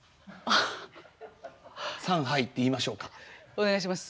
お願いします。